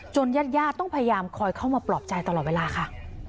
ญาติญาติต้องพยายามคอยเข้ามาปลอบใจตลอดเวลาค่ะ